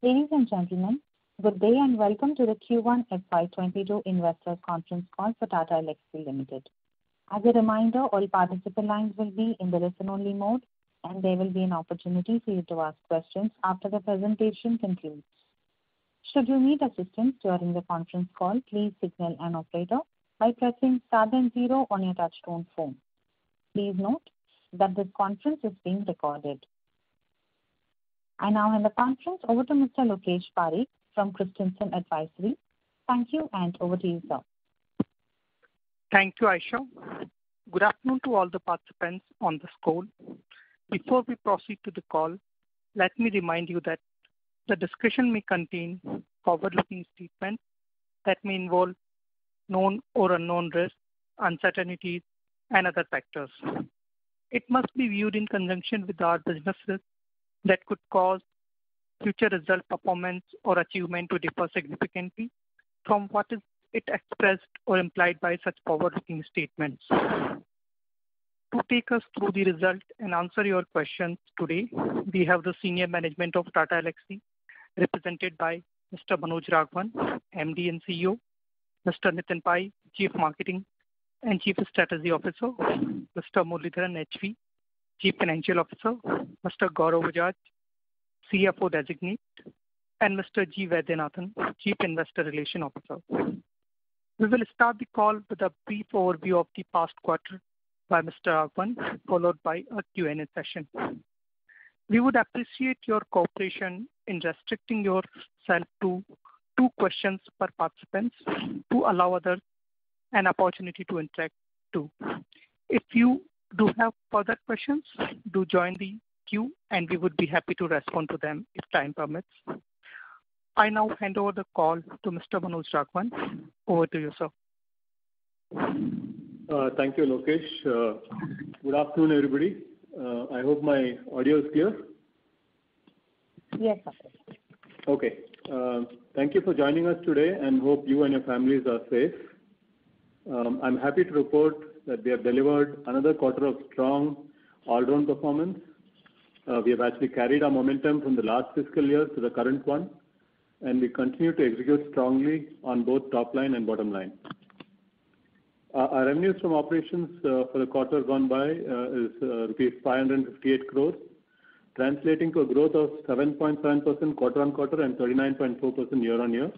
Ladies and gentlemen, good day and welcome to the Q1 FY 2022 investor conference call for Tata Elxsi Limited. As a reminder, all participant lines will be in the listen only mode, and there will be an opportunity for you to ask questions after the presentation concludes. Should you need assistance during the conference call, please signal an operator by pressing star then zero on your touchtone phone. Please note that this conference is being recorded. I now hand the conference over to Mr. Lokesh Pareek from Christensen Advisory. Thank you, and over to you, sir. Thank you, Aisha. Good afternoon to all the participants on this call. Before we proceed to the call, let me remind you that the discussion may contain forward-looking statements that may involve known or unknown risks, uncertainties, and other factors. It must be viewed in conjunction with our businesses that could cause future result performance or achievement to differ significantly from what is expressed or implied by such forward-looking statements. To take us through the results and answer your questions today, we have the senior management of Tata Elxsi represented by Mr. Manoj Raghavan, MD and CEO; Mr. Nitin Pai, Chief Marketing and Chief Strategy Officer; Mr. Muralidharan H.V., Chief Financial Officer; Mr. Gaurav Bajaj, CFO Designate; and Mr. G. Vaidyanathan, Chief Investor Relations Officer. We will start the call with a brief overview of the past quarter by Mr. Raghavan, followed by a Q&A session. We would appreciate your cooperation in restricting yourself to two questions per participant to allow others an opportunity to interact, too. If you do have further questions, do join the queue, and we would be happy to respond to them if time permits. I now hand over the call to Mr. Manoj Raghavan. Over to you, sir. Thank you, Lokesh. Good afternoon, everybody. I hope my audio is clear. Yes. Thank you for joining us today. Hope you and your families are safe. I'm happy to report that we have delivered another quarter of strong all-round performance. We have actually carried our momentum from the last fiscal year to the current one. We continue to execute strongly on both top line and bottom line. Our revenues from operations for the quarter gone by is rupees 558 crores, translating to a growth of 7.7% quarter-on-quarter and 39.4% year-on-year.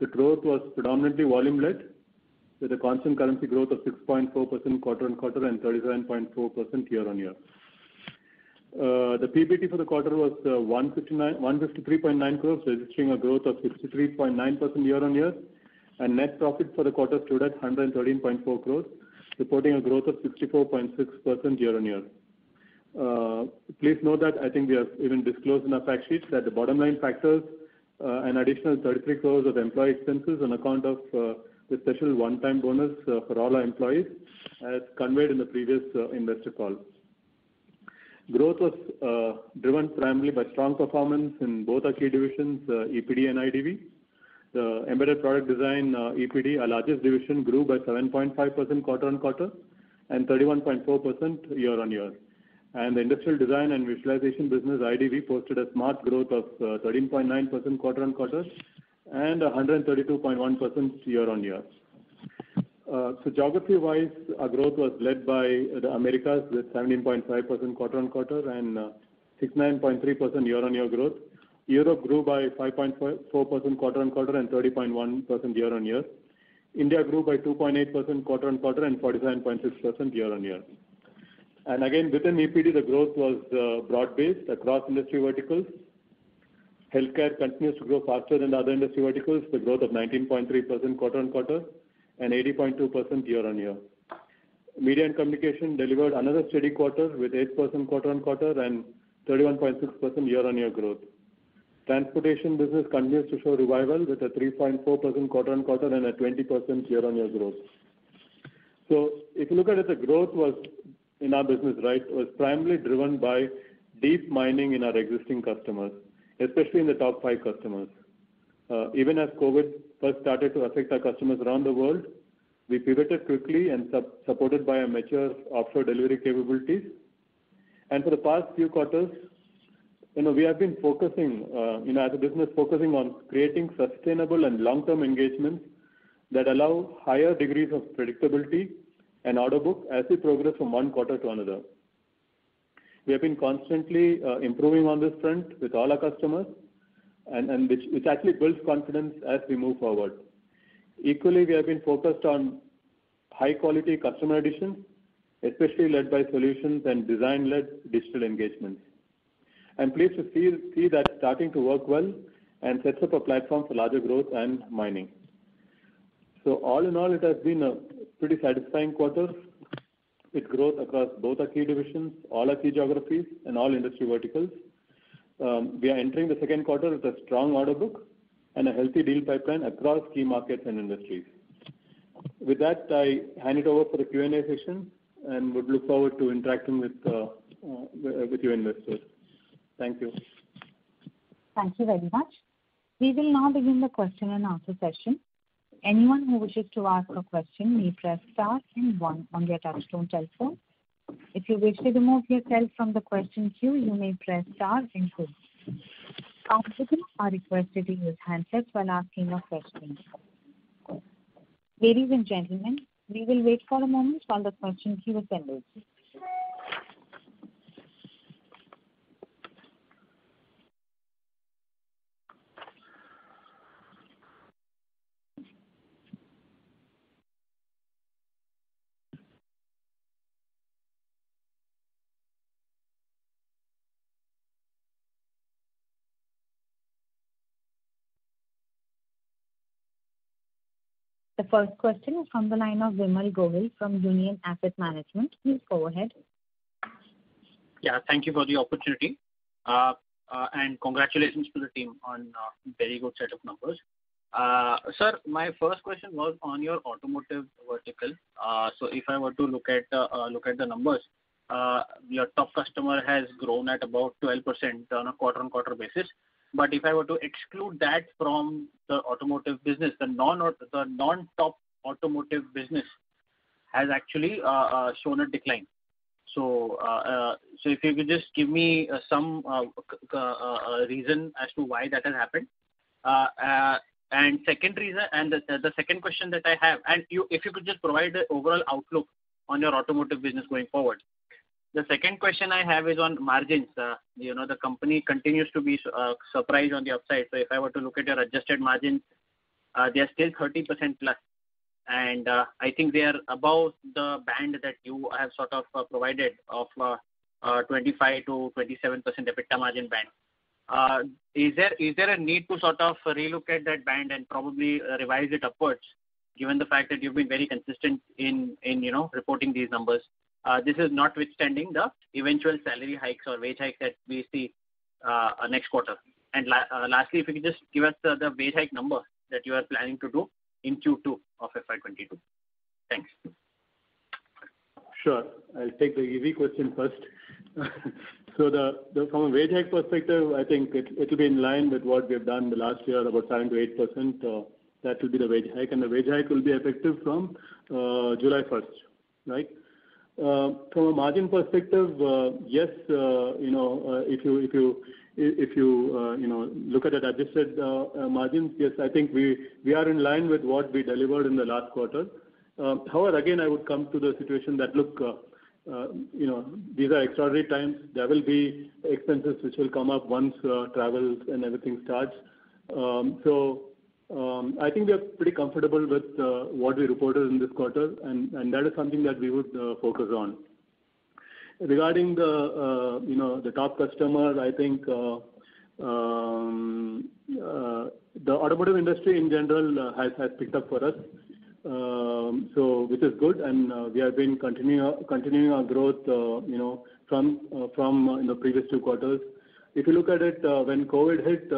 The growth was predominantly volume-led, with a constant currency growth of 6.4% quarter-on-quarter and 37.4% year-on-year. The PBT for the quarter was 153.9 crores, registering a growth of 63.9% year-on-year. Net profit for the quarter stood at 113.4 crores, reporting a growth of 64.6% year-on-year. Please note that I think we have even disclosed in our fact sheets that the bottom line factors an additional INR. 33 crores of employee expenses on account of the special one-time bonus for all our employees, as conveyed in the previous investor call. Growth was driven primarily by strong performance in both our key divisions, EPD and IDV. The Embedded Product Design, EPD, our largest division, grew by 7.5% quarter-on-quarter and 31.4% year-on-year. The Industrial Design & Visualization business, IDV, posted a smart growth of 13.9% quarter-on-quarter and 132.1% year-on-year. Geography-wise, our growth was led by the Americas with 17.5% quarter-on-quarter and 69.3% year-on-year growth. Europe grew by 5.4% quarter-on-quarter and 30.1% year-on-year. India grew by 2.8% quarter-on-quarter and 49.6% year-on-year. Again, within EPD, the growth was broad-based across industry verticals. Healthcare continues to grow faster than other industry verticals, with growth of 19.3% quarter-on-quarter and 80.2% year-on-year. Media and communication delivered another steady quarter with 8% quarter-on-quarter and 31.6% year-on-year growth. Transportation business continues to show revival with a 3.4% quarter-on-quarter and a 20% year-on-year growth. If you look at it, the growth was, in our business, was primarily driven by deep mining in our existing customers, especially in the top five customers. Even as COVID first started to affect our customers around the world, we pivoted quickly and supported by our mature offshore delivery capabilities. For the past few quarters, we have been focusing as a business on creating sustainable and long-term engagements that allow higher degrees of predictability and order book as we progress from one quarter to another. We have been constantly improving on this front with all our customers, which actually builds confidence as we move forward. Equally, we have been focused on high-quality customer additions, especially led by solutions and design-led digital engagements. I'm pleased to see that starting to work well and sets up a platform for larger growth and mining. All in all, it has been a pretty satisfying quarter with growth across both our key divisions, all our key geographies, and all industry verticals. We are entering the second quarter with a strong order book and a healthy deal pipeline across key markets and industries. With that, I hand it over for the Q&A session and would look forward to interacting with you investors. Thank you. Thank you very much. We will now begin the question and answer session. The first question is from the line of Vimal Gohil from Union Asset Management. Please go ahead. Thank you for the opportunity, and congratulations to the team on a very good set of numbers. Sir, my first question was on your automotive vertical. If I were to look at the numbers, your top customer has grown at about 12% on a quarter-on-quarter basis. If I were to exclude that from the automotive business, the non-top automotive business has actually shown a decline. If you could just give me some reason as to why that has happened. If you could just provide the overall outlook on your automotive business going forward. The second question I have is on margins. The company continues to be surprised on the upside. If I were to look at your adjusted margins, they are still 30% plus, and I think they are above the band that you have provided of 25%-27% EBITDA margin band. Is there a need to relook at that band and probably revise it upwards given the fact that you've been very consistent in reporting these numbers? This is notwithstanding the eventual salary hikes or wage hikes that we see next quarter. Lastly, if you could just give us the wage hike number that you are planning to do in Q2 of FY 2022? Thanks. Sure. I'll take the easy question first. From a wage hike perspective, I think it'll be in line with what we've done in the last year, about 7%-8%. That will be the wage hike, and the wage hike will be effective from July 1st. Right? From a margin perspective, yes, I think if you look at adjusted margins, yes, I think we are in line with what we delivered in the last quarter. However, again, I would come to the situation that, look, these are extraordinary times. There will be expenses which will come up once travel and everything starts. I think we are pretty comfortable with what we reported in this quarter, and that is something that we would focus on. Regarding the top customer, I think the automotive industry in general has picked up for us, which is good, and we have been continuing our growth from the previous two quarters. If you look at it, when COVID hit,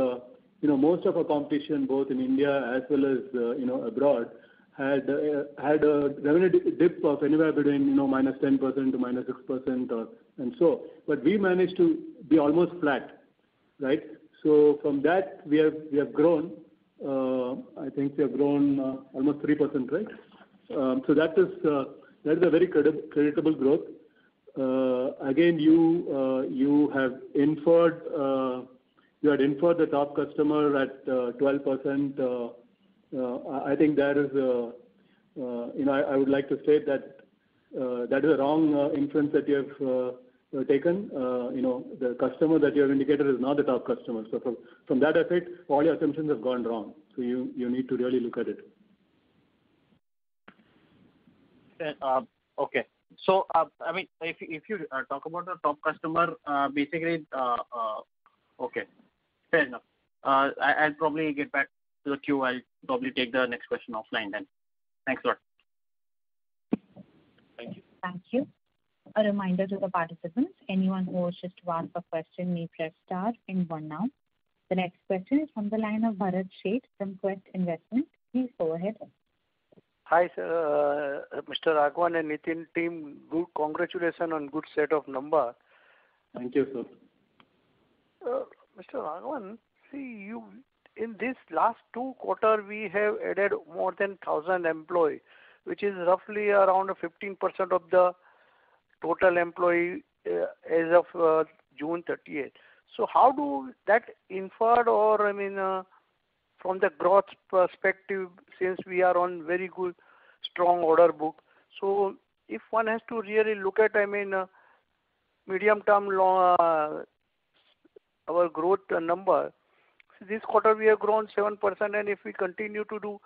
most of our competition, both in India as well as abroad, had a revenue dip of anywhere between -10% to -6% and so on. We managed to be almost flat. Right? From that we have grown. I think we have grown almost 3%, right? That is a very creditable growth. Again, you had inferred the top customer at 12%. I would like to state that is a wrong inference that you have taken. The customer that you have indicated is not the top customer. From that effect, all your assumptions have gone wrong. You need to really look at it. Okay. If you talk about the top customer. Okay. Fair enough. I'll probably get back to the queue. I'll probably take the next question offline then. Thanks a lot. Thank you. Thank you. A reminder to the participants, anyone who wishes to ask a question, may press star then one now. The next question is from the line of Bharat Sheth from Quest Investment. Please go ahead. Hi, Mr. Raghavan and Nitin team. Congratulations on good set of numbers. Thank you, Sheth. Mr. Raghavan, in these last two quarters, we have added more than 1,000 employees, which is roughly around 15% of the total employees as of June 30th. How do that inferred or from the growth perspective, since we are on very good, strong order book? If one has to really look at medium-term, our growth number, this quarter we have grown 7% and if we continue to do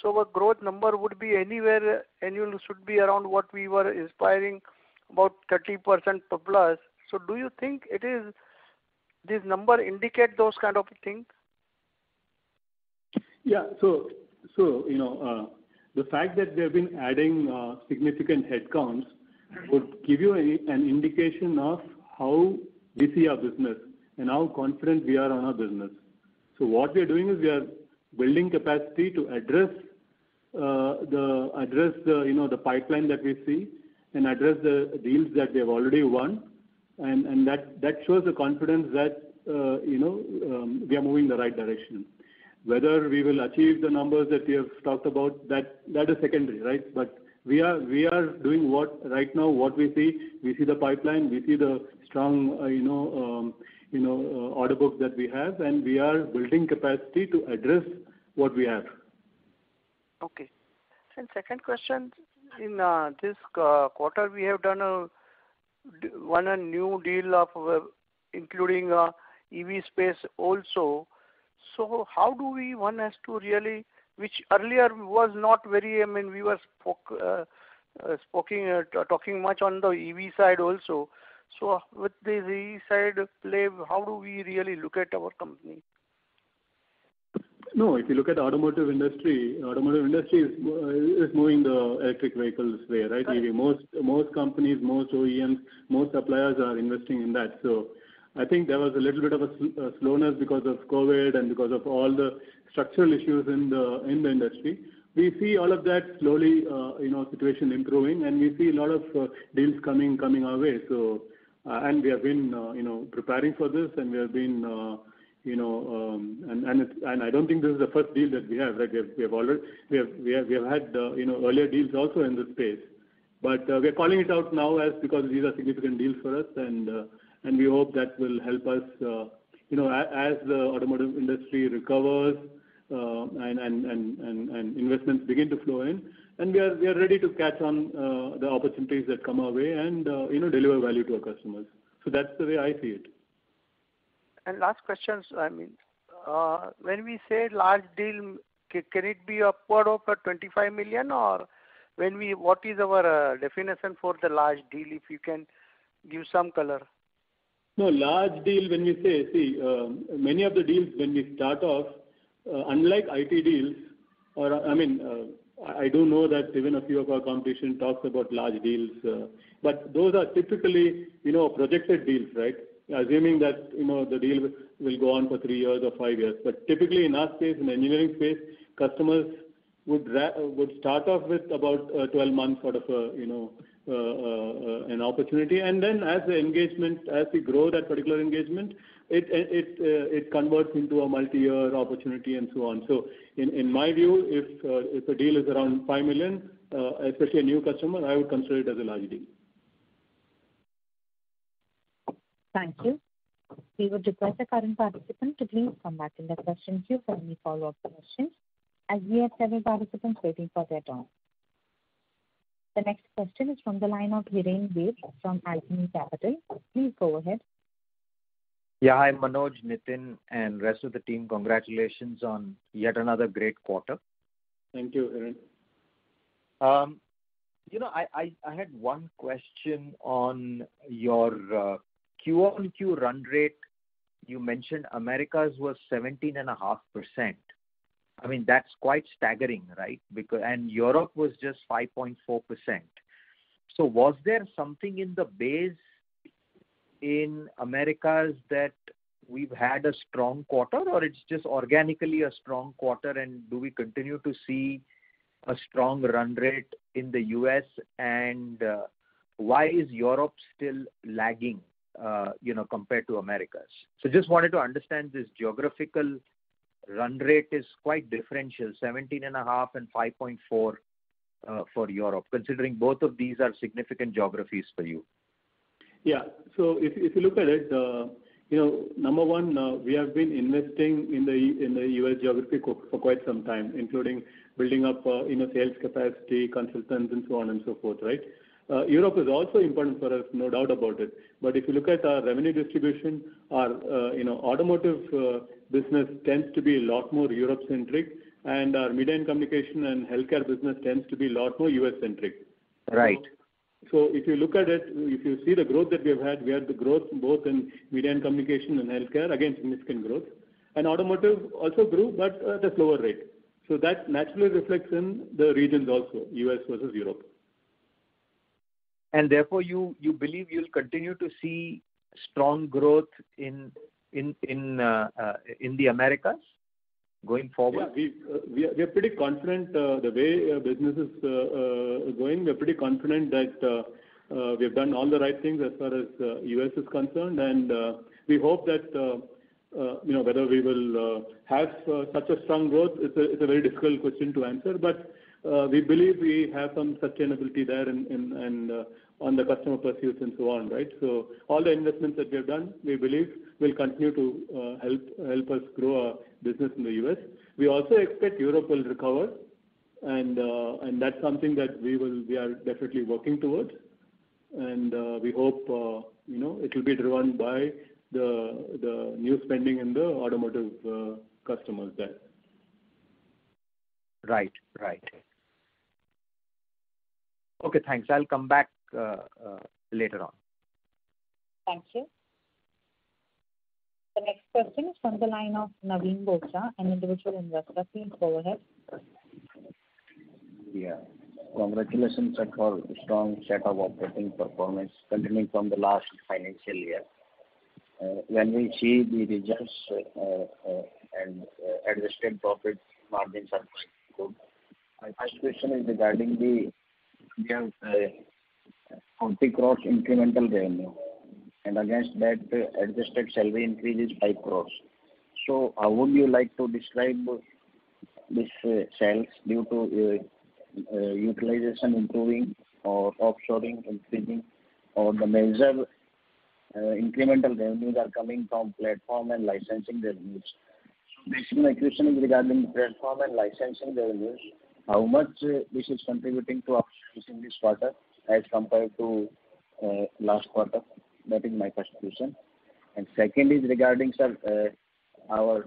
so, our growth number would be anywhere annual should be around what we were inspiring about 30% plus. Do you think these numbers indicate those kind of things? The fact that we have been adding significant headcounts would give you an indication of how we see our business and how confident we are on our business. What we are doing is we are building capacity to address the pipeline that we see and address the deals that we have already won. That shows the confidence that we are moving in the right direction. Whether we will achieve the numbers that we have talked about, that is secondary. We are doing right now what we see. We see the pipeline, we see the strong order book that we have, and we are building capacity to address what we have. Okay. Second question. In this quarter, we have won a new deal including EV space also. How do we won as to really, which earlier we were talking much on the EV side also. With the EV side play, how do we really look at our company? No, if you look at automotive industry, automotive industry is moving the electric vehicles way. Most companies, most OEMs, most suppliers are investing in that. I think there was a little bit of a slowness because of COVID and because of all the structural issues in the industry. We see all of that slowly, situation improving, and we see a lot of deals coming our way. We have been preparing for this. I don't think this is the first deal that we have. We have had earlier deals also in this space. We are calling it out now as because these are significant deals for us, we hope that will help us as the automotive industry recovers, investments begin to flow in. We are ready to catch on the opportunities that come our way and deliver value to our customers. That's the way I see it. Last question, when we say large deal, can it be upward of $25 million, or what is our definition for the large deal, if you can give some color? Large deal when we say many of the deals when we start off unlike IT deals, or I do know that even a few of our competition talks about large deals. Those are typically projected deals. Assuming that the deal will go on for three years or five years. Typically in our space, in the engineering space, customers would start off with about a 12-month sort of an opportunity. As we grow that particular engagement, it converts into a multiyear opportunity and so on. In my view, if a deal is around $5 million, especially a new customer, I would consider it as a large deal. Thank you. We would request the current participant to please come back in the question queue for any follow-up questions, as we have several participants waiting for their turn. The next question is from the line of Hiren Ved from Alchemy Capital. Please go ahead. Yeah. Hi, Manoj, Nitin, and rest of the team. Congratulations on yet another great quarter. Thank you, Hiren. I had one question on your QoQ run rate. You mentioned Americas was 17.5%. That's quite staggering, right? Europe was just 5.4%. Was there something in the base in Americas that we've had a strong quarter, or it's just organically a strong quarter, and do we continue to see a strong run rate in the U.S., and why is Europe still lagging compared to Americas? Just wanted to understand this geographical run rate is quite differential, 17.5% and 5.4% for Europe, considering both of these are significant geographies for you. If you look at it, number one, we have been investing in the U.S. geography for quite some time, including building up sales capacity, consultants, and so on and so forth. Europe is also important for us, no doubt about it. If you look at our revenue distribution, our automotive business tends to be a lot more Europe-centric, and our media and communication and healthcare business tends to be a lot more U.S.-centric. Right. If you look at it, if you see the growth that we've had, we had the growth both in media and communication and healthcare, again, significant growth. Automotive also grew, but at a slower rate. That naturally reflects in the regions also, U.S. versus Europe. Therefore, you believe you'll continue to see strong growth in the Americas going forward? We are pretty confident the way business is going. We are pretty confident that we've done all the right things as far as U.S. is concerned, and we hope that whether we will have such a strong growth, it's a very difficult question to answer. We believe we have some sustainability there on the customer pursuits and so on. All the investments that we have done, we believe will continue to help us grow our business in the U.S. We also expect Europe will recover, and that's something that we are definitely working towards. We hope it will be driven by the new spending in the automotive customers there. Right. Okay, thanks. I'll come back later on. Thank you. The next question is from the line of Naveen Bothra, an individual investor. Please go ahead. Yeah. Congratulations on strong set of operating performance continuing from the last financial year. When we see the results and adjusted profit margins are quite good. My first question is regarding the INR 40 crores incremental revenue, and against that, adjusted salary increase is INR 5 crores. How would you like to describe these sales due to utilization improving or offshoring increasing or the major incremental revenues are coming from platform and licensing revenues? Basically, my question is regarding platform and licensing revenues, how much this is contributing to operations this quarter as compared to last quarter? That is my first question. Second is regarding, sir, our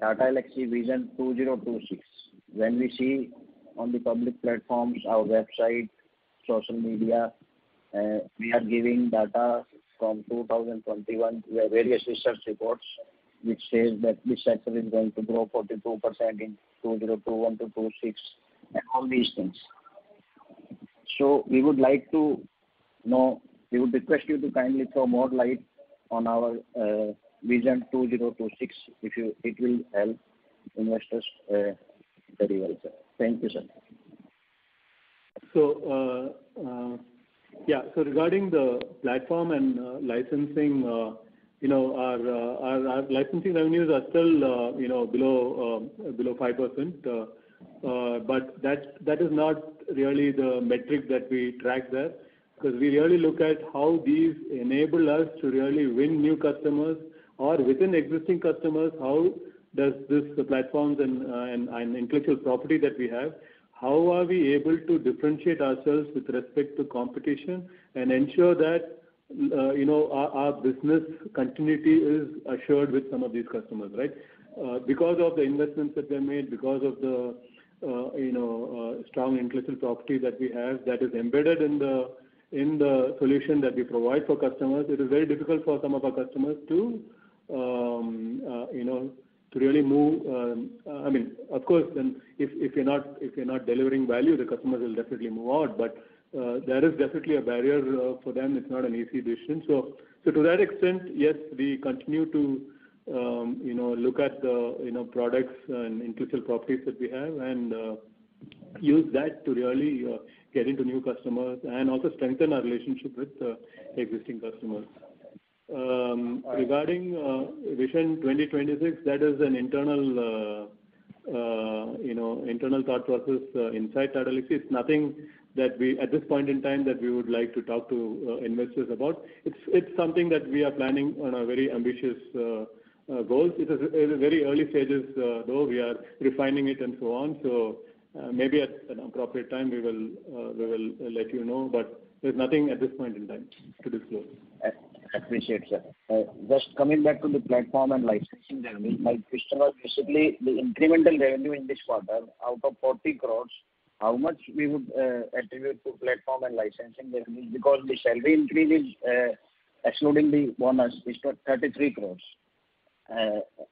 Tata Elxsi Vision 2026. When we see on the public platforms, our website, social media, we are giving data from 2021. We have various research reports, which says that this sector is going to grow 42% in 2021 to 2026, and all these things. We would request you to kindly throw more light on our Vision 2026. It will help investors very well, sir. Thank you, sir. Regarding the platform and licensing, our licensing revenues are still below 5%. That is not really the metric that we track there, because we really look at how these enable us to really win new customers, or within existing customers, how does these platforms and intellectual property that we have, how are we able to differentiate ourselves with respect to competition and ensure that our business continuity is assured with some of these customers, right? Because of the investments that we have made, because of the strong intellectual property that we have, that is embedded in the solution that we provide for customers. It is very difficult for some of our customers to really move. Of course, if we're not delivering value, the customers will definitely move out. There is definitely a barrier for them. It's not an easy decision. To that extent, yes, we continue to look at the products and intellectual properties that we have and use that to really get into new customers and also strengthen our relationship with existing customers. Regarding Vision 2026, that is an internal thought process inside Tata Elxsi. It's nothing that, at this point in time, that we would like to talk to investors about. It's something that we are planning on a very ambitious goal. It is at a very early stages, though. We are refining it and so on. Maybe at an appropriate time, we will let you know, but there's nothing at this point in time to disclose. Appreciate, sir. Coming back to the platform and licensing revenue, my question was basically the incremental revenue in this quarter out of 40 crores, how much we would attribute to platform and licensing revenue? The salary increase, excluding the bonus, is 33 crores.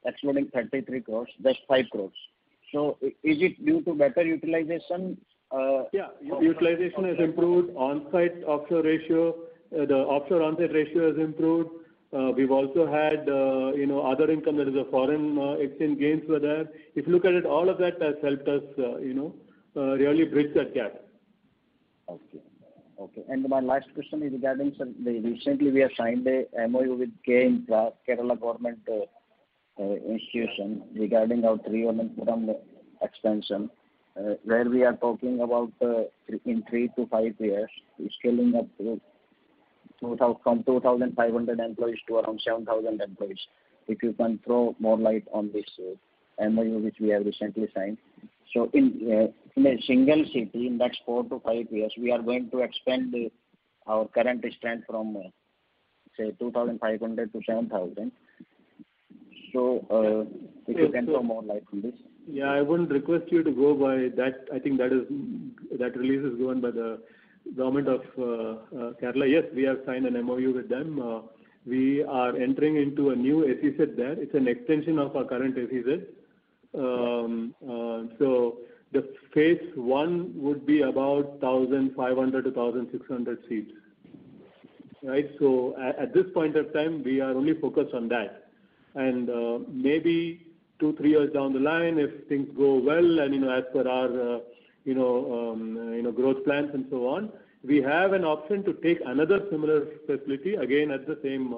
Excluding 33 crores, that's 5 crores. Is it due to better utilization? Yeah. Utilization has improved. The offshore/onsite ratio has improved. We've also had other income. There is a foreign exchange gains were there. If you look at it, all of that has helped us really bridge that gap. Okay. My last question is regarding, sir, recently we have signed a MoU with KINFRA, Kerala government institution, regarding our Trivandrum expansion, where we are talking about in three to five years, scaling up from 2,500 employees to around 7,000 employees. If you can throw more light on this MoU, which we have recently signed. In a single city, in next four to five years, we are going to expand our current strength from, say, 2,500 to 7,000. If you can throw more light on this. Yeah, I wouldn't request you to go by that. I think that release is given by the government of Kerala. Yes, we have signed an MoU with them. We are entering into a new SEZ there. It's an extension of our current SEZ. The phase I would be about 1,500-1,600 seats. At this point of time, we are only focused on that. Maybe two, three years down the line, if things go well, and as per our growth plans and so on, we have an option to take another similar facility again at the same,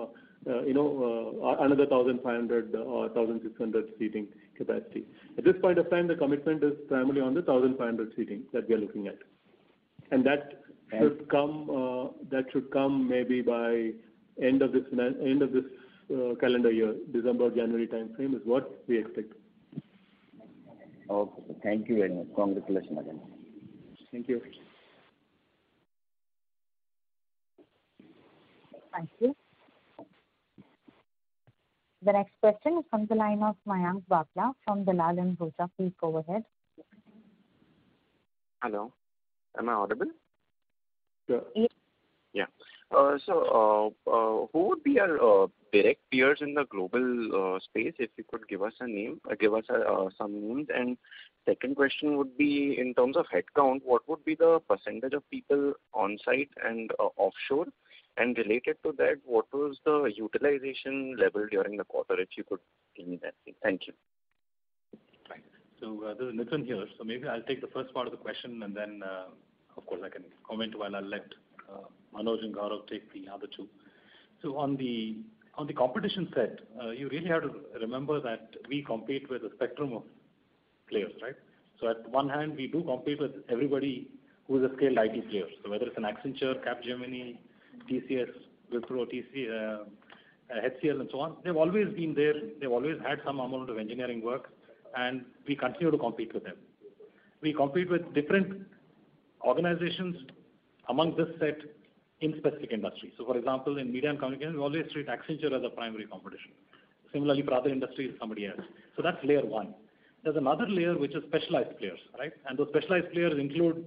another 1,500 or 1,600 seating capacity. At this point of time, the commitment is primarily on the 1,500 seating that we are looking at. That should come maybe by end of this calendar year, December or January timeframe is what we expect. Okay. Thank you very much. Congratulations again. Thank you. Thank you. The next question is from the line of Mayank Babla from Dalal & Broacha. Please go ahead. Hello, am I audible? Sure. Yes. Yeah. Who would be our direct peers in the global space, if you could give us some names? Second question would be in terms of headcount, what would be the percentage of people on-site and offshore? Related to that, what was the utilization level during the quarter, if you could give me that? Thank you. Nitin here. Maybe I'll take the first part of the question, and then, of course, I can comment while I let Manoj and Gaurav take the other two. On the competition set, you really have to remember that we compete with a spectrum of players, right? At one hand, we do compete with everybody who is a scaled IT player, so whether it's an Accenture, Capgemini, TCS, Wipro, HCL and so on. They've always been there. They've always had some amount of engineering work, and we continue to compete with them. We compete with different organizations among this set in specific industries. For example, in media and communication, we always treat Accenture as a primary competition. Similarly, for other industries, somebody else. That's layer one. There's another layer, which is specialized players, right? Those specialized players include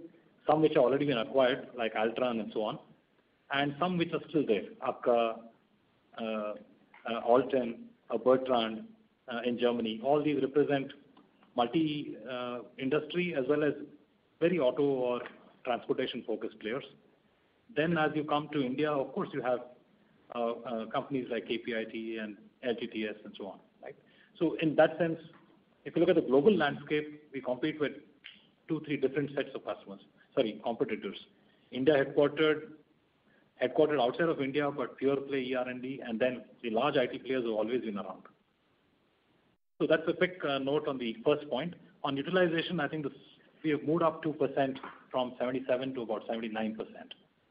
some which have already been acquired, like Altran and so on, and some which are still there, AKKA, ALTEN, Bertrandt in Germany. All these represent multi-industry as well as very auto or transportation-focused players. As you come to India, of course, you have companies like KPIT and LTTS and so on, right? In that sense, if you look at the global landscape, we compete with two, three different sets of competitors. India-headquartered, headquartered outside of India, but pure play ER&D, and then the large IT players who have always been around. That's a quick note on the first point. On utilization, I think we have moved up 2% from 77% to about 79%,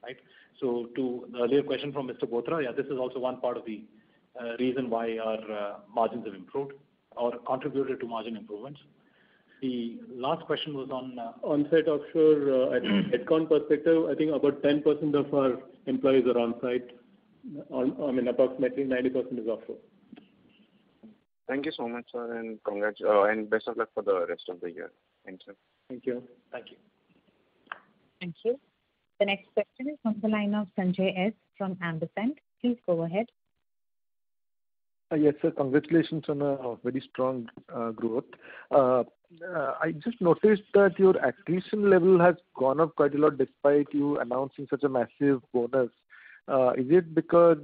right? To the earlier question from Mr. Bothra, yeah, this is also one part of the reason why our margins have improved or contributed to margin improvements. The last question was on. On-site, offshore, at head count perspective, I think about 10% of our employees are on-site. Approximately 90% is offshore. Thank you so much, sir, and best of luck for the rest of the year. Thanks, sir. Thank you. Thank you. Thank you. The next question is on the line of Sanjay S from Ampersand. Please go ahead. Yes, sir. Congratulations on a very strong growth. I just noticed that your attrition level has gone up quite a lot despite you announcing such a massive bonus. Is it because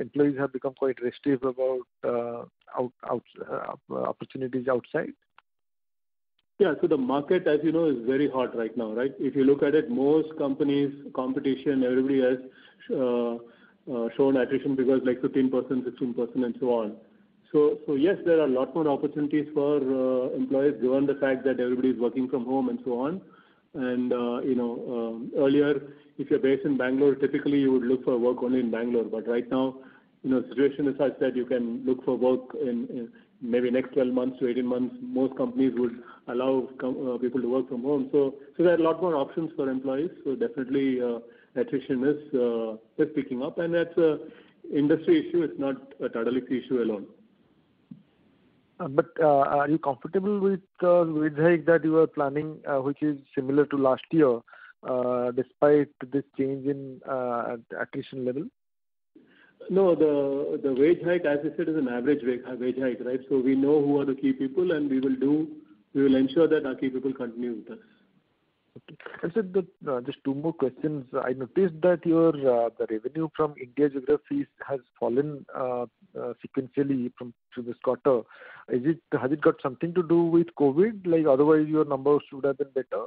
employees have become quite restive about opportunities outside? Yeah. The market, as you know, is very hot right now, right? If you look at it, most companies, competition, everybody has shown attrition figures like 15%, 16%, and so on. Yes, there are a lot more opportunities for employees, given the fact that everybody's working from home and so on. Earlier, if you're based in Bangalore, typically you would look for work only in Bangalore. Right now, situation, as I said, you can look for work in maybe next 12 months to 18 months, most companies would allow people to work from home. There are a lot more options for employees. Definitely, attrition is picking up, and that's an industry issue. It's not a Tata Elxsi issue alone. Are you comfortable with the wage hike that you are planning, which is similar to last year, despite this change in attrition level? The wage hike, as I said, is an average wage hike, right? We know who are the key people, and we will ensure that our key people continue with us. Okay. Sir, just two more questions. I noticed that the revenue from India geographies has fallen sequentially through this quarter. Has it got something to do with COVID? Otherwise, your numbers should have been better.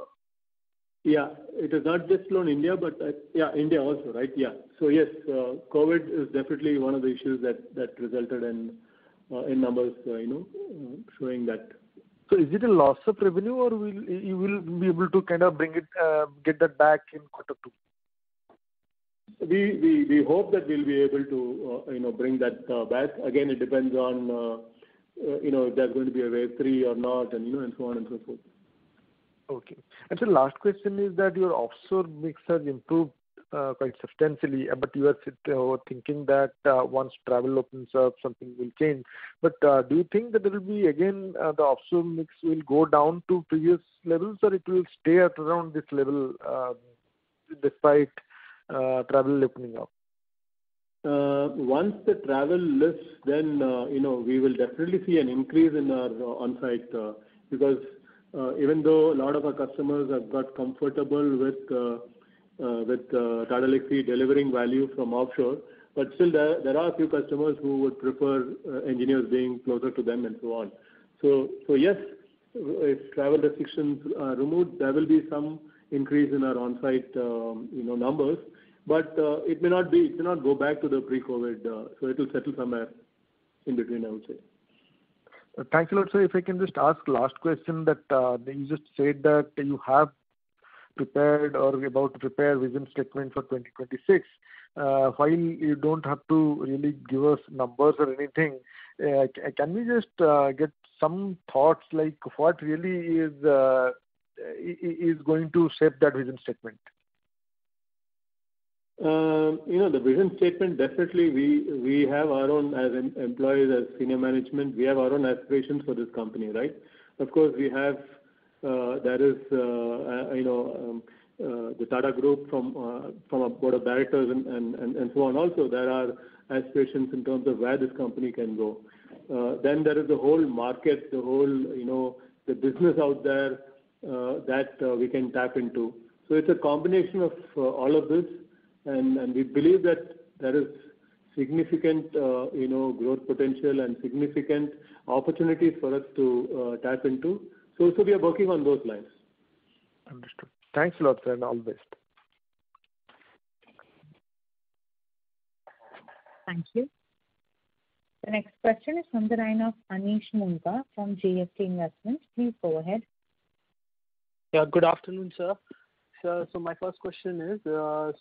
Yeah. It is not just low in India, but yeah, India also, right? Yeah. Yes, COVID is definitely one of the issues that resulted in numbers showing that. Is it a loss of revenue, or you will be able to kind of get that back in quarter two? We hope that we'll be able to bring that back. Again, it depends on if there's going to be a wave three or not, and so on and so forth. Okay. Sir last question is that your offshore mix has improved quite substantially, you are thinking that once travel opens up, something will change. Do you think that there will be, again, the offshore mix will go down to previous levels, or it will stay at around this level despite travel opening up? Once the travel lifts, we will definitely see an increase in our on-site. Even though a lot of our customers have got comfortable with Tata Elxsi delivering value from offshore, still, there are a few customers who would prefer engineers being closer to them and so on. Yes, if travel restrictions are removed, there will be some increase in our on-site numbers. It may not go back to the pre-COVID, it will settle somewhere in between, I would say. Thanks a lot, sir. If I can just ask last question that you just said that you have prepared or be about to prepare vision statement for Vision 2026. While you don't have to really give us numbers or anything, can we just get some thoughts like what really is going to shape that vision statement? The vision statement, definitely we have our own, as employees, as senior management, we have our own aspirations for this company, right? Of course, there is the Tata Group from a board of directors and so on also, there are aspirations in terms of where this company can go. There is the whole market, the business out there that we can tap into. It's a combination of all of this, and we believe that there is significant growth potential and significant opportunities for us to tap into. We are working on those lines. Understood. Thanks a lot, sir, and all the best. Thank you. The next question is from the line of Anish Mumba from GFC Investments. Please go ahead. Yeah. Good afternoon, sir. Sir, my first question is,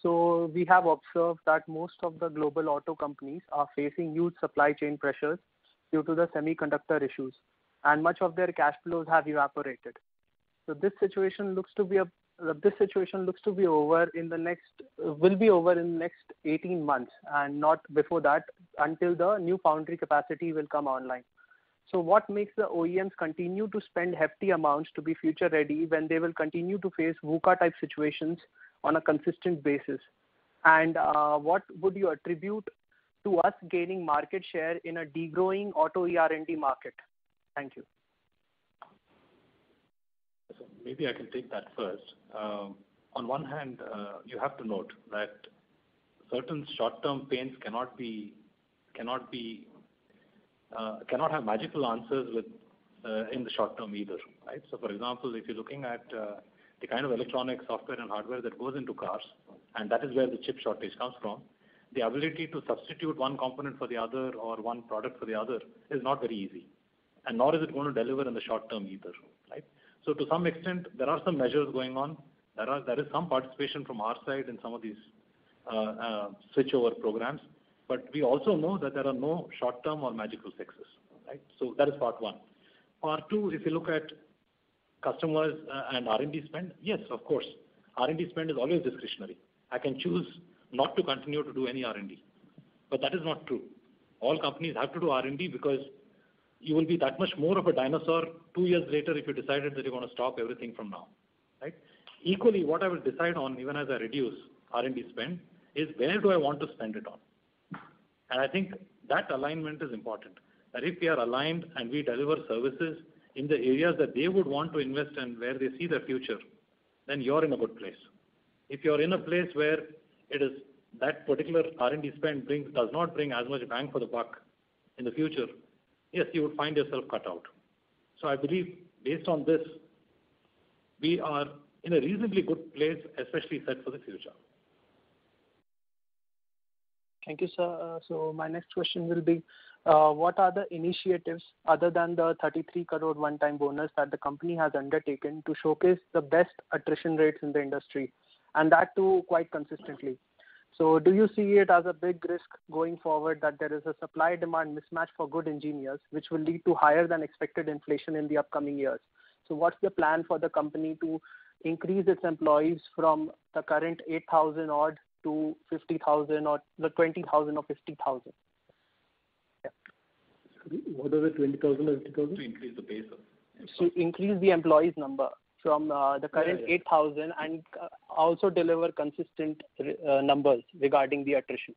so we have observed that most of the global auto companies are facing huge supply chain pressures due to the semiconductor issues, and much of their cash flows have evaporated. This situation looks to be over, will be over in the next 18 months and not before that until the new foundry capacity will come online. What makes the OEMs continue to spend hefty amounts to be future-ready when they will continue to face VUCA type situations on a consistent basis? What would you attribute to us gaining market share in a de-growing auto ER&D market? Thank you. Maybe I can take that first. On one hand, you have to note that certain short-term pains cannot have magical answers in the short term either, right? For example, if you're looking at the kind of electronic software and hardware that goes into cars, and that is where the chip shortage comes from. The ability to substitute one component for the other or one product for the other is not very easy, and nor is it going to deliver in the short term either, right? To some extent there are some measures going on. There is some participation from our side in some of these switch-over programs, but we also know that there are no short-term or magical fixes, right? That is part one. Part two is if you look at customers and R&D spend, yes, of course, R&D spend is always discretionary. I can choose not to continue to do any R&D. That is not true. All companies have to do R&D because you will be that much more of a dinosaur two years later if you decided that you want to stop everything from now, right? Equally, what I will decide on, even as I reduce R&D spend, is where do I want to spend it on? I think that alignment is important, that if we are aligned and we deliver services in the areas that they would want to invest and where they see their future, then you're in a good place. If you're in a place where it is that particular R&D spend does not bring as much bang for the buck in the future, yes, you would find yourself cut out. I believe based on this, we are in a reasonably good place, especially set for the future. Thank you, sir. My next question will be, what are the initiatives other than the 33 crore one-time bonus that the company has undertaken to showcase the best attrition rates in the industry, and that too quite consistently. Do you see it as a big risk going forward that there is a supply-demand mismatch for good engineers which will lead to higher than expected inflation in the upcoming years? What's the plan for the company to increase its employees from the current 8,000 odd to 50,000 odd, the 20,000 or 50,000? Yeah. Sorry, what is it, 20,000 or 50,000? To increase the base, sir. To increase the employees number from the current 8,000 and also deliver consistent numbers regarding the attrition.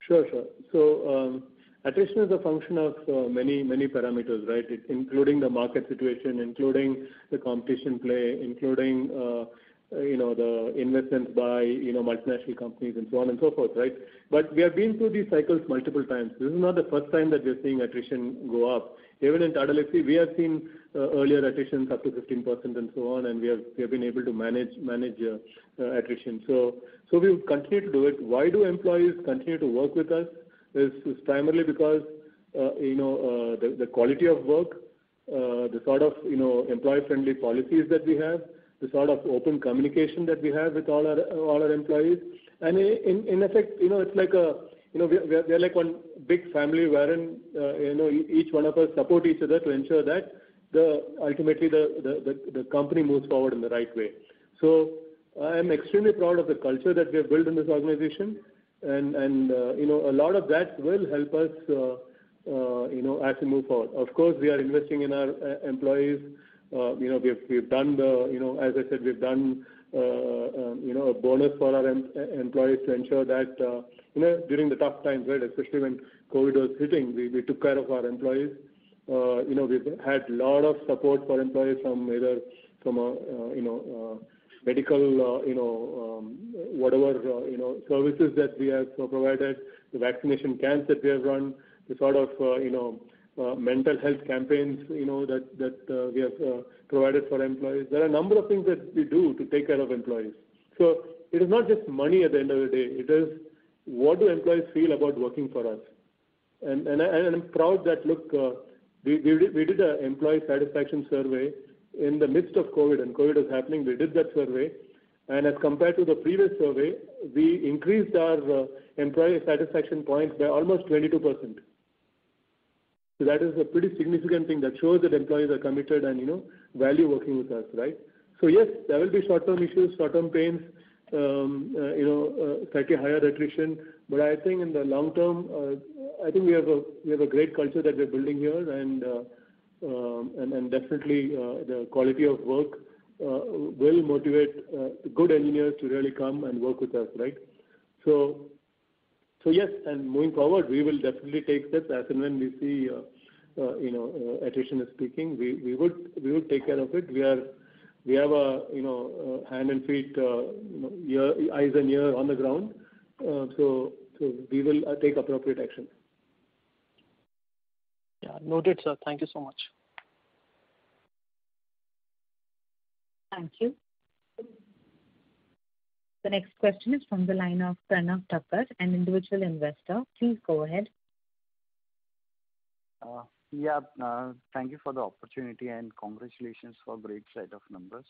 Sure. Attrition is a function of many parameters, right? Including the market situation, including the competition play, including the investments by multinational companies and so on and so forth, right? We have been through these cycles multiple times. This is not the first time that we're seeing attrition go up. Even in Tata Elxsi, we have seen earlier attrition up to 15% and so on, and we have been able to manage attrition. We will continue to do it. Why do employees continue to work with us? It's primarily because the quality of work, the sort of employee-friendly policies that we have, the sort of open communication that we have with all our employees. In effect, we are like one big family wherein each one of us support each other to ensure that ultimately the company moves forward in the right way. I am extremely proud of the culture that we have built in this organization. A lot of that will help us as we move forward. Of course, we are investing in our employees. As I said, we've done a bonus for our employees to ensure that during the tough times, right, especially when COVID was hitting, we took care of our employees. We've had lot of support for employees from medical whatever services that we have provided, the vaccination camps that we have run, the sort of mental health campaigns that we have provided for employees. There are a number of things that we do to take care of employees. It is not just money at the end of the day, it is what do employees feel about working for us? I'm proud that, look, we did an employee satisfaction survey in the midst of COVID. When COVID was happening, we did that survey, and as compared to the previous survey, we increased our employee satisfaction points by almost 22%. That is a pretty significant thing that shows that employees are committed and value working with us, right? Yes, there will be short-term issues, short-term pains, slightly higher attrition. I think in the long term, I think we have a great culture that we're building here, and definitely the quality of work will motivate good engineers to really come and work with us, right? Yes, and moving forward, we will definitely take steps as and when we see attrition is picking. We would take care of it. We have hand and feet, eyes and ear on the ground. We will take appropriate action. Yeah, noted, sir. Thank you so much. Thank you. The next question is from the line of Pranav Thakur, an individual investor. Please go ahead. Yeah. Thank you for the opportunity, and congratulations for great set of numbers.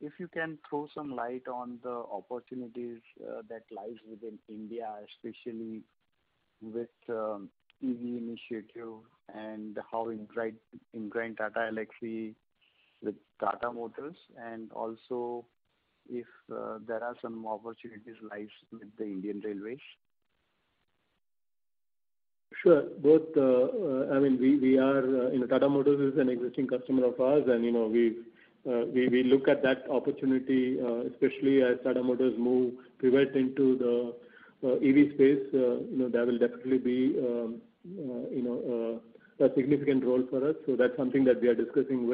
If you can throw some light on the opportunities that lies within India, especially with EV initiative, and how it drives in Tata Elxsi with Tata Motors, and also if there are some opportunities that lies with the Indian Railways. Sure. Tata Motors is an existing customer of ours. We look at that opportunity, especially as Tata Motors pivot into the EV space. There will definitely be a significant role for us. That's something that we are discussing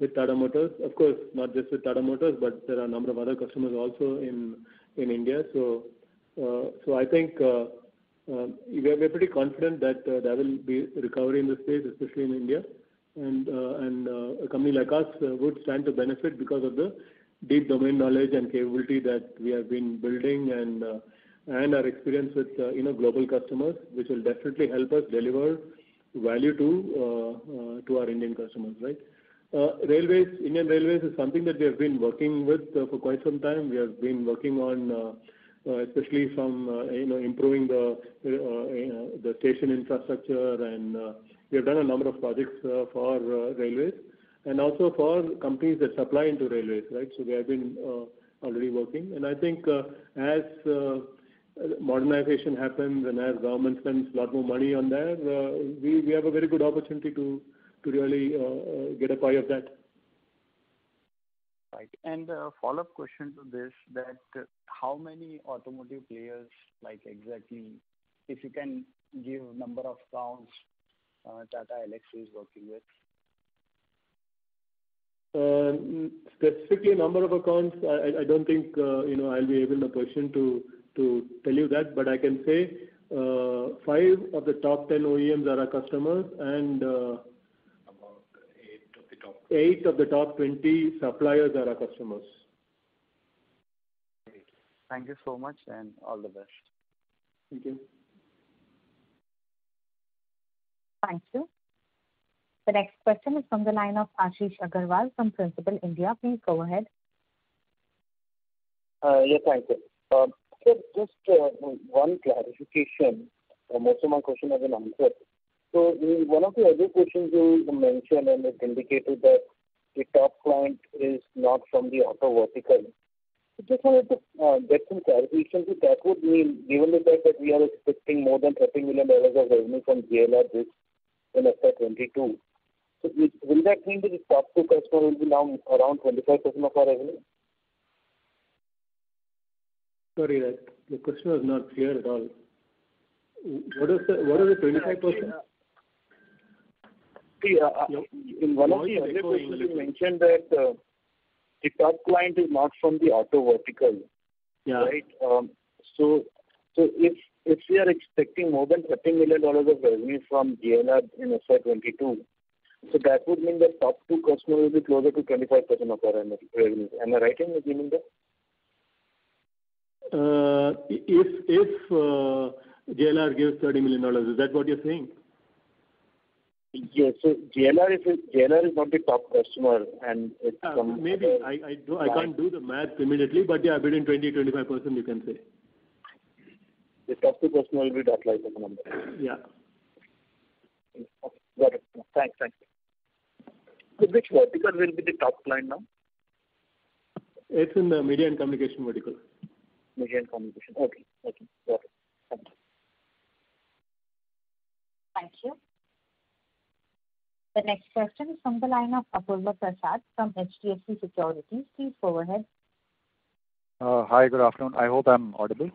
with Tata Motors. Of course, not just with Tata Motors, but there are a number of other customers also in India. I think we're pretty confident that there will be recovery in this space, especially in India. A company like us would stand to benefit because of the deep domain knowledge and capability that we have been building and our experience with global customers, which will definitely help us deliver value to our Indian customers. Indian Railways is something that we have been working with for quite some time. We have been working on especially from improving the station infrastructure. We have done a number of projects for Railways and also for companies that supply into Railways. We have been already working. I think as modernization happens and as government spends a lot more money on that, we have a very good opportunity to really get a pie of that. Right. A follow-up question to this, that how many automotive players, like exactly, if you can give number of accounts Tata Elxsi is working with? Specifically, number of accounts, I don't think I'll be able in a position to tell you that. I can say five of the top 10 OEMs are our customers. About eight of the top 20. Eight of the top 20 suppliers are our customers. Great. Thank you so much, and all the best. Thank you. Thank you. The next question is from the line of Ashish Agarwal from Principal India. Please go ahead. Yeah, thank you. Sir, just one clarification. Most of my question has been answered. In one of the earlier questions you mentioned and indicated that the top client is not from the auto vertical. Just wanted to get some clarification, because that would mean, given the fact that we are expecting more than $30 million of revenue from JLR this in FY22, will that mean that the top two customers will be around 25% of our revenue? Sorry, the question was not clear at all. What is the 25%? In one of the earlier questions you mentioned that the top client is not from the auto vertical. Yeah. If we are expecting more than $30 million of revenue from JLR in FY22, that would mean the top two customers will be closer to 25% of our revenue. Am I right in assuming that? If JLR gives $30 million, is that what you're saying? Yes, sir. JLR is not the top customer. Maybe. I can't do the math immediately, but yeah, between 20%-25%, you can say. The top two customers will be that 25% number. Yeah. Okay, got it. Thanks. Which vertical will be the top client now? It's in the media and communication vertical. Media and communication. Okay. Got it. Thank you. Thank you. The next question is from the line of Apurva Prasad from HDFC Securities. Please go ahead. Hi, good afternoon. I hope I'm audible.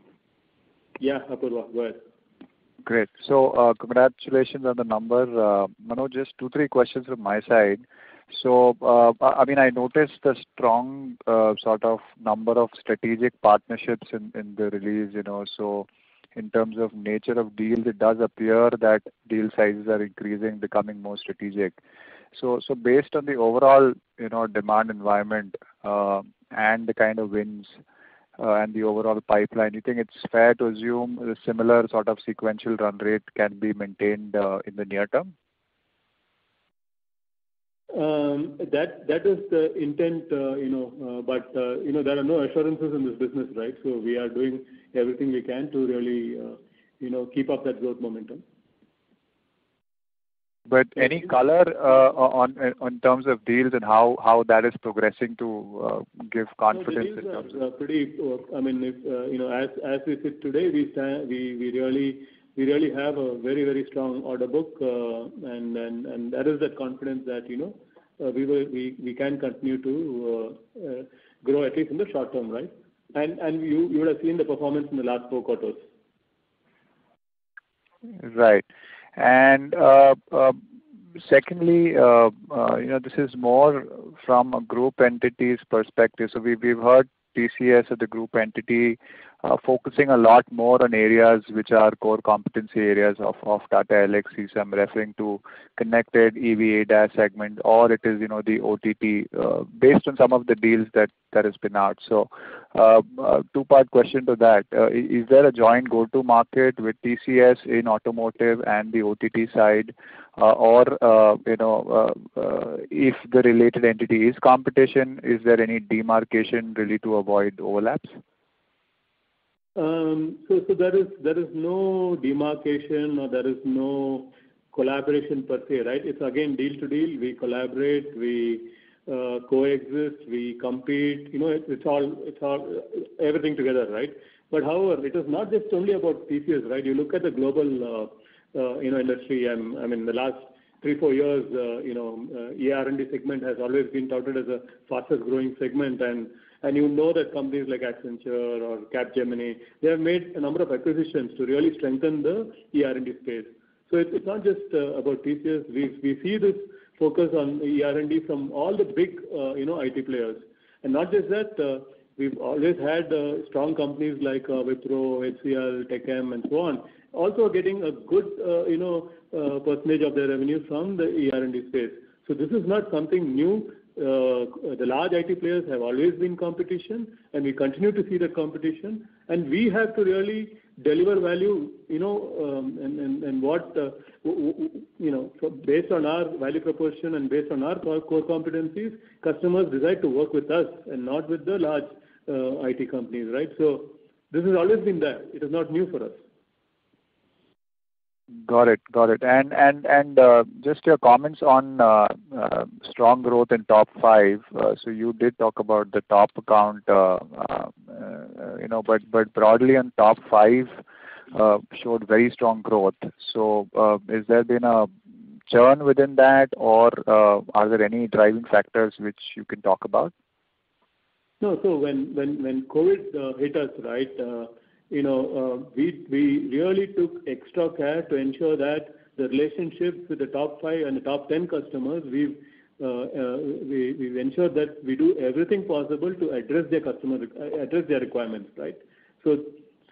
Yeah, Apurva. Go ahead. Great. Congratulations on the numbers. Manoj, just two, three questions from my side. I noticed the strong sort of number of strategic partnerships in the release. In terms of nature of deals, it does appear that deal sizes are increasing, becoming more strategic. Based on the overall demand environment and the kind of wins and the overall pipeline, you think it's fair to assume a similar sort of sequential run rate can be maintained in the near term? That is the intent, but there are no assurances in this business, right? We are doing everything we can to really keep up that growth momentum. Any color in terms of deals and how that is progressing to give confidence in terms of. No, the deals are pretty. As we sit today, we really have a very strong order book, that is that confidence that we can continue to grow, at least in the short term. You would have seen the performance in the last four quarters. Right. Secondly, this is more from a group entity's perspective. We've heard TCS as a group entity, focusing a lot more on areas which are core competency areas of Tata Elxsi. I'm referring to connected EV ADAS segment, or it is the OTT, based on some of the deals that has been out. A two-part question to that. Is there a joint go-to-market with TCS in automotive and the OTT side? If the related entity is competition, is there any demarcation really to avoid overlaps? There is no demarcation or there is no collaboration per se, right? It's again, deal to deal. We collaborate, we coexist, we compete. It's everything together. However, it is not just only about TCS, right? You look at the global industry, in the last three, four years, ER&D segment has always been touted as the fastest growing segment. You know that companies like Accenture or Capgemini, they have made a number of acquisitions to really strengthen the ER&D space. It's not just about TCS. We see this focus on ER&D from all the big IT players. Not just that, we've always had strong companies like Wipro, HCL, Tech Mahindra, and so on, also getting a good % of their revenue from the ER&D space. This is not something new. The large IT players have always been competition, and we continue to see that competition. We have to really deliver value based on our value proposition and based on our core competencies, customers decide to work with us and not with the large IT companies, right? This has always been there. It is not new for us. Got it. Just your comments on strong growth in top five. You did talk about the top account, but broadly on top five, showed very strong growth. Has there been a churn within that or are there any driving factors which you can talk about? No. When COVID hit us, we really took extra care to ensure that the relationships with the top five and the top 10 customers, we've ensured that we do everything possible to address their requirements. As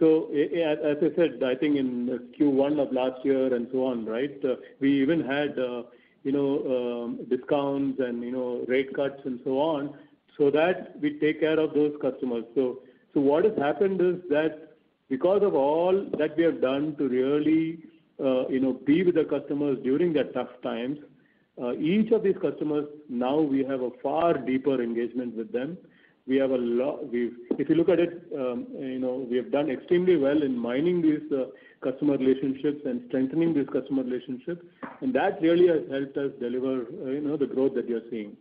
I said, I think in Q1 of last year and so on, we even had discounts and rate cuts and so on, so that we take care of those customers. What has happened is that because of all that we have done to really be with the customers during the tough times, each of these customers, now we have a far deeper engagement with them. If you look at it, we have done extremely well in mining these customer relationships and strengthening these customer relationships. That really has helped us deliver the growth that we are seeing.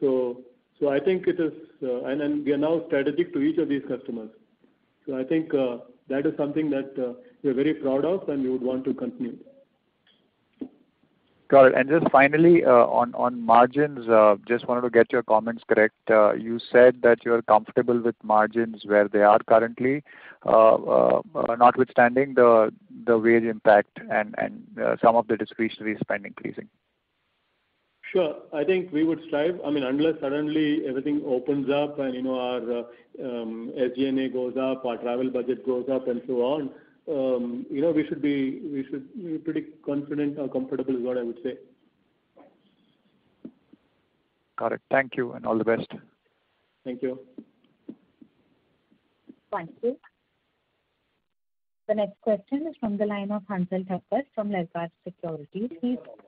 We are now strategic to each of these customers. I think that is something that we're very proud of and we would want to continue. Got it. Just finally, on margins, just wanted to get your comments correct. You said that you're comfortable with margins where they are currently, notwithstanding the wage impact and some of the discretionary spend increasing. Sure. I think we would strive. Unless suddenly everything opens up and our SG&A goes up, our travel budget goes up and so on. We should be pretty confident or comfortable is what I would say. Got it. Thank you and all the best. Thank you. Thank you. The next question is from the line of Hansal Thacker from Lalkar Securities. Please go ahead. Yeah.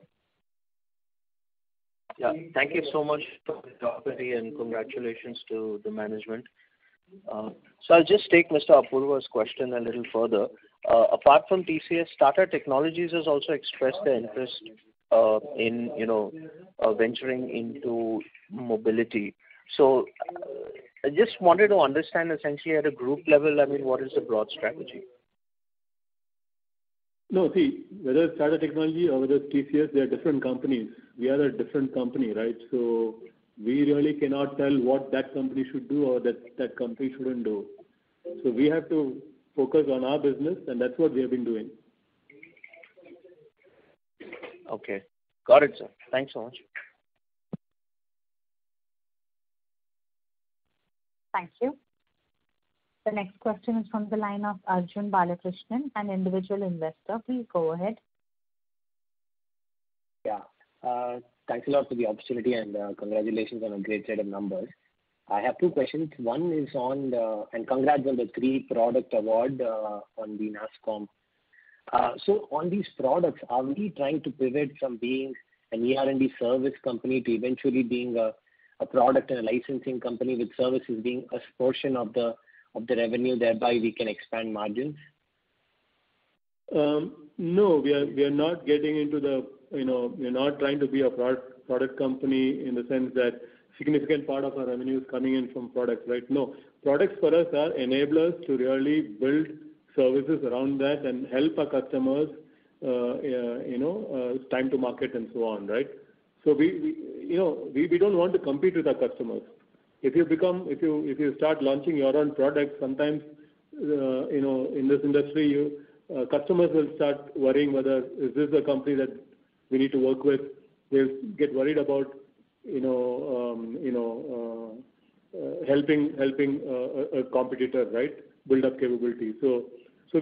Thank you so much for the opportunity, and congratulations to the management. I'll just take Mr. Apurva's question a little further. Apart from TCS, Tata Technologies has also expressed their interest in venturing into mobility. I just wanted to understand essentially at a group level, what is the broad strategy? No. See, whether it's Tata Technologies or whether it's TCS, they are different companies. We are a different company, right? We really cannot tell what that company should do or that company shouldn't do. We have to focus on our business, and that's what we have been doing. Okay. Got it, sir. Thanks so much. Thank you. The next question is from the line of Arjun Balakrishnan, an individual investor. Please go ahead. Yeah. Thanks a lot for the opportunity, and congratulations on a great set of numbers. I have two questions. Congrats on the three product award on the NASSCOM. On these products, are we trying to pivot from being an ER&D service company to eventually being a product and a licensing company with services being a portion of the revenue, thereby we can expand margins? No, we're not trying to be a product company in the sense that significant part of our revenue is coming in from products. No. Products for us are enablers to really build services around that and help our customers, time to market and so on. We don't want to compete with our customers. If you start launching your own products, sometimes in this industry, customers will start worrying whether, "Is this the company that we need to work with?" They'll get worried about helping a competitor, right, build up capability.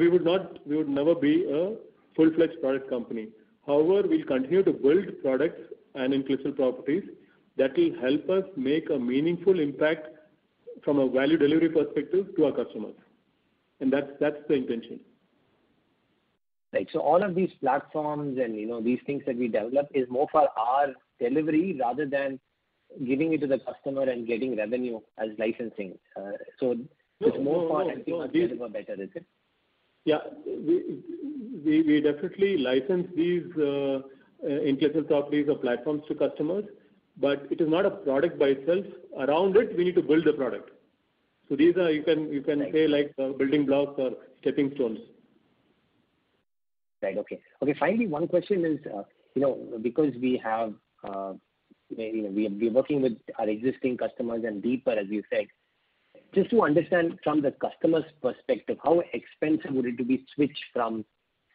We would never be a full-fledged product company. However, we'll continue to build products and intellectual properties that will help us make a meaningful impact from a value delivery perspective to our customers. That's the intention. Right. All of these platforms and these things that we develop is more for our delivery, rather than giving it to the customer and getting revenue as licensing. No. Helping us deliver better. Is it? Yeah. We definitely license these intellectual properties or platforms to customers, but it is not a product by itself. Around it, we need to build the product. These are. Right Like building blocks or stepping stones. Right. Okay. Finally, one question is, because we're working with our existing customers and deeper, as you said, just to understand from the customer's perspective, how expensive would it be to switch from,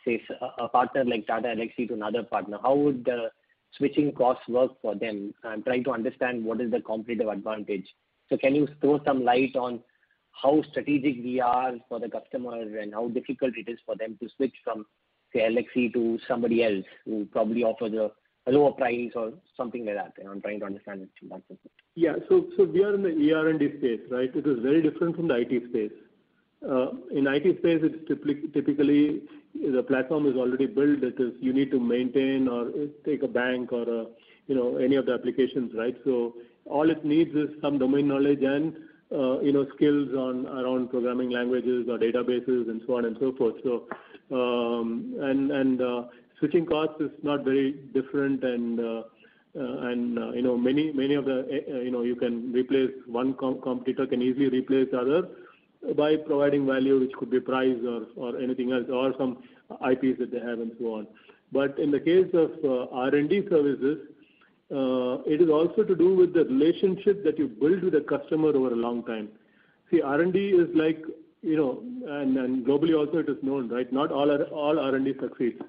say, a partner like Tata Elxsi to another partner? How would the switching costs work for them? I'm trying to understand what is the competitive advantage. Can you throw some light on how strategic we are for the customer and how difficult it is for them to switch from, say, Elxsi to somebody else who probably offer a lower price or something like that? I'm trying to understand that too, that's it. Yeah. We are in the ER&D space, right? It is very different from the IT space. In IT space, it's typically the platform is already built. You need to maintain or take a bank or any of the applications, right? All it needs is some domain knowledge and skills around programming languages or databases and so on and so forth. Switching costs is not very different and one competitor can easily replace the other by providing value, which could be price or anything else, or some IPs that they have and so on. In the case of R&D services, it is also to do with the relationship that you build with the customer over a long time. See, R&D is like, and globally also it is known, right, not all R&D succeeds.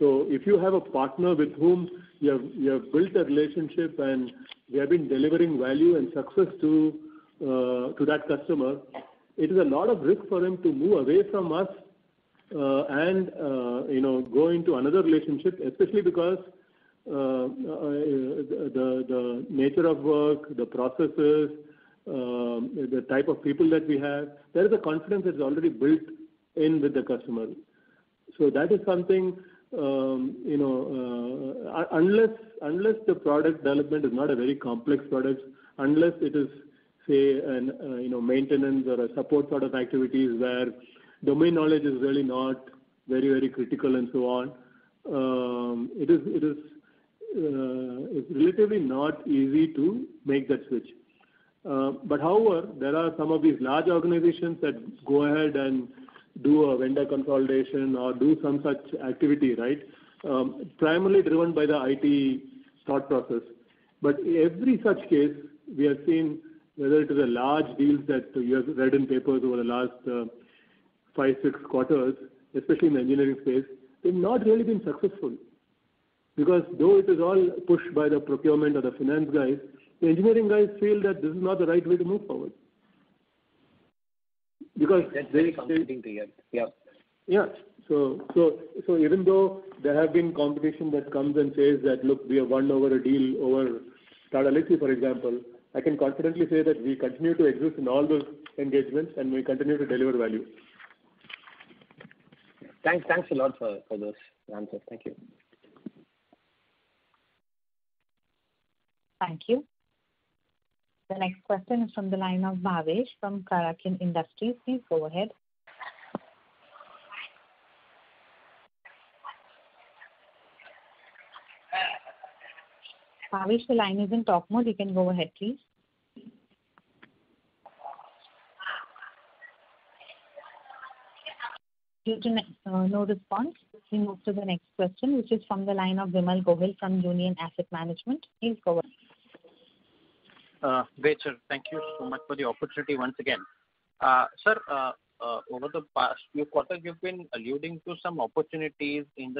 If you have a partner with whom you have built a relationship and we have been delivering value and success to that customer, it is a lot of risk for him to move away from us and go into another relationship, especially because the nature of work, the processes, the type of people that we have. There is a confidence that's already built in with the customer. That is something, unless the product development is not a very complex product, unless it is, say, a maintenance or a support sort of activities where domain knowledge is really not very critical and so on. It's relatively not easy to make that switch. However, there are some of these large organizations that go ahead and do a vendor consolidation or do some such activity, right? Primarily driven by the IT thought process. Every such case we have seen, whether it is a large deals that you have read in papers over the last five, six quarters, especially in the engineering space, they've not really been successful. Though it is all pushed by the procurement or the finance guys, the engineering guys feel that this is not the right way to move forward. That's very competing to get. Yeah. Yeah. Even though there have been competition that comes and says that, "Look, we have won over a deal over Tata Elxsi," for example, I can confidently say that we continue to exist in all those engagements and we continue to deliver value. Thanks a lot for those answers. Thank you. Thank you. The next question is from the line of Bhavesh from Karakyn Industries. Please go ahead. Bhavesh, the line is in talk mode. You can go ahead, please. Due to no response, we will move to the next question, which is from the line of Vimal Gohil from Union Asset Management. Please go ahead. Great, sir. Thank you so much for the opportunity once again. Sir, over the past few quarters, you've been alluding to some opportunities in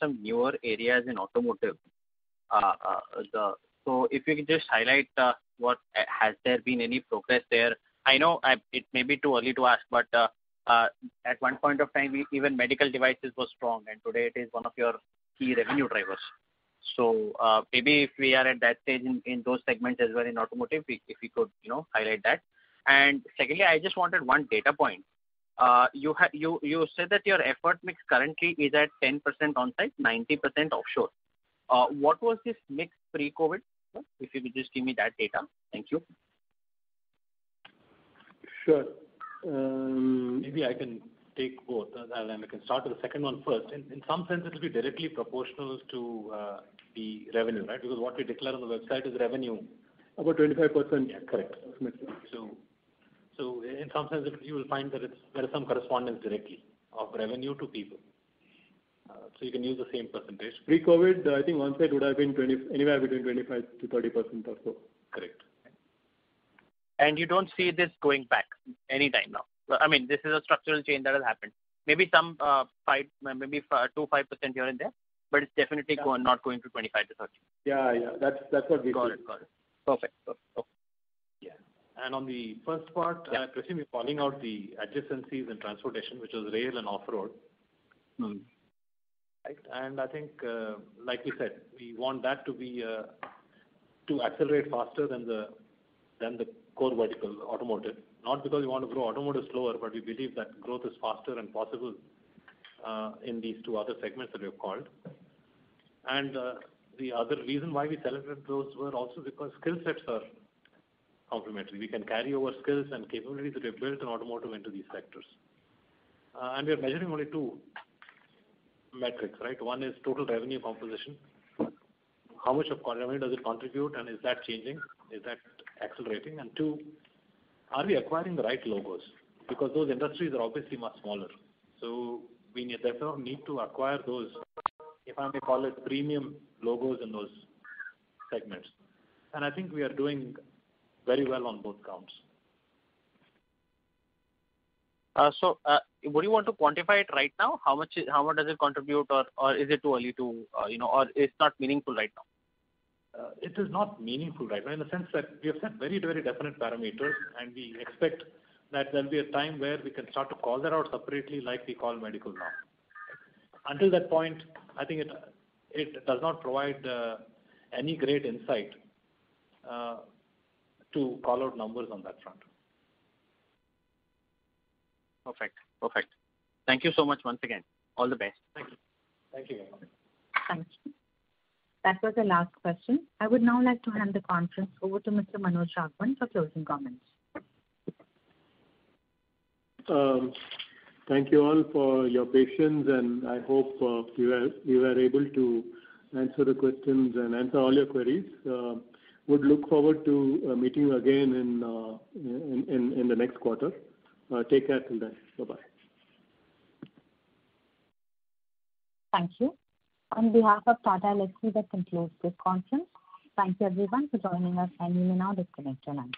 some newer areas in automotive. If you could just highlight, has there been any progress there? I know it may be too early to ask, but at one point of time, even medical devices was strong, and today it is one of your key revenue drivers. Maybe if we are at that stage in those segments as well in automotive, if you could highlight that. Secondly, I just wanted 1 data point. You said that your effort mix currently is at 10% on-site, 90% offshore. What was this mix pre-COVID? If you could just give me that data. Thank you. Sure. Maybe I can take both. I can start with the second one first. In some sense, it will be directly proportional to the revenue, right? Because what we declare on the website is revenue. About 25%. Yeah, correct. Approximately. In some sense, you will find that there's some correspondence directly of revenue to people. You can use the same percentage. Pre-COVID, I think on-site would have been anywhere between 25%-30% or so. Correct. You don't see this going back any time now? This is a structural change that will happen. Maybe some 2%, 5% here and there, but it's definitely not going to 25%-30%. Yeah. That's what we feel. Got it. Perfect. Yeah. On the first part, I presume you're calling out the adjacencies in transportation, which is rail and off-road. Right. I think, like we said, we want that to accelerate faster than the core vertical, automotive. Not because we want to grow automotive slower, but we believe that growth is faster and possible in these two other segments that we have called. The other reason why we celebrated those were also because skill sets are complementary. We can carry over skills and capabilities that we've built in automotive into these sectors. We are measuring only two metrics. One is total revenue composition. How much of revenue does it contribute, and is that changing? Is that accelerating? Two, are we acquiring the right logos? Because those industries are obviously much smaller, so we therefore need to acquire those, if I may call it premium logos in those segments. I think we are doing very well on both counts. Would you want to quantify it right now? How much does it contribute, or is it too early or it's not meaningful right now? It is not meaningful right now in the sense that we have set very definite parameters. We expect that there'll be a time where we can start to call that out separately like we call medical now. Until that point, I think it does not provide any great insight to call out numbers on that front. Perfect. Thank you so much once again. All the best. Thank you. Thank you. Thank you. That was the last question. I would now like to hand the conference over to Mr. Manoj Raghavan for closing comments. Thank you all for your patience. I hope we were able to answer the questions and answer all your queries. We would look forward to meeting you again in the next quarter. Take care till then. Bye-bye. Thank you. On behalf of Tata Elxsi, let's conclude this conference. Thank you everyone for joining us, and you may now disconnect your lines.